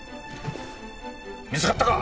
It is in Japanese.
見つかったか！